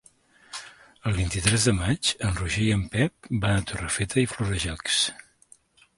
El vint-i-tres de maig en Roger i en Pep van a Torrefeta i Florejacs.